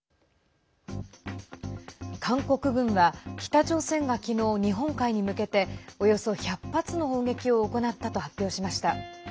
韓国軍は北朝鮮が昨日、日本海に向けておよそ１００発の砲撃を行ったと発表しました。